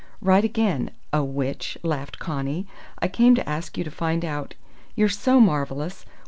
"Right again, O Witch!" laughed Connie. "I came to ask you to find out you're so marvellous!